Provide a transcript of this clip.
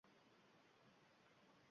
Qo‘l tegmaganidan ustini chang qoplaydi.